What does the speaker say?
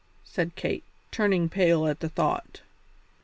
said Kate, turning pale at the thought.